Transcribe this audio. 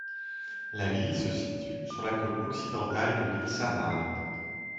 La ville se situe sur de la côte occidentale de l'île Samar.